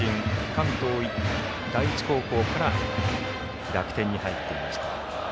関東第一高校から楽天に入っていました。